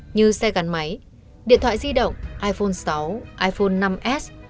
như xe gắn máy điện thoại di động iphone sáu iphone năm s